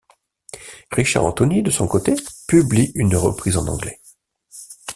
Richard Anthony, de son côté, publie une reprise en anglais.